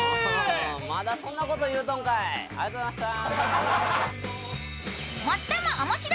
まだそんなこと言うとんかい、ありがとうございました。